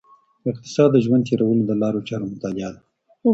اقتصاد د ژوند تیرولو د لارو چارو مطالعه ده.